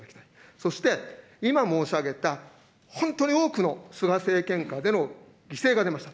そして、今申し上げた、本当に多くの菅政権下での犠牲が出ました。